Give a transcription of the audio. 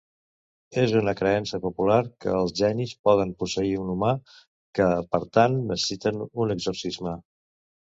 És una creença popular que els genis poden posseir un humà, que per tant necessiten un exorcisme.